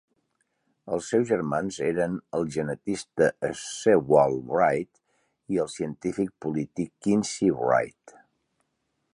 Els seus germans eren el genetista Sewall Wright i el científic polític Quincy Wright.